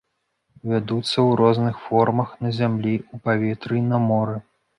Вядуцца ў розных формах на зямлі, у паветры і на моры.